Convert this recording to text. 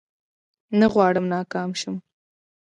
نه غواړم ناکام شم